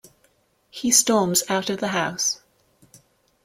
He storms out of the house.